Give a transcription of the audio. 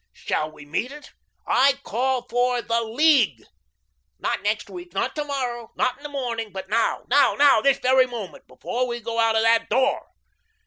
Shall we meet it? I CALL FOR THE LEAGUE. Not next week, not to morrow, not in the morning, but now, now, now, this very moment, before we go out of that door.